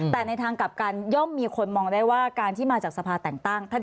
แต่ในทางกลับกันย่อมมีคนมองได้ว่าการที่มาจากสภาแต่งตั้ง